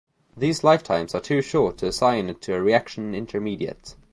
These lifetimes are too short to assign to a reaction intermediate.